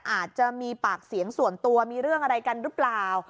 อาจจะมีปากเสียงส่วนตัวมีเรื่องอะไรกันหรือเปล่า